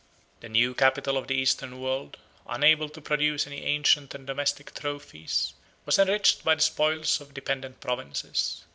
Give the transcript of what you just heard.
71 The new capital of the Eastern world, unable to produce any ancient and domestic trophies, was enriched by the spoils of dependent provinces.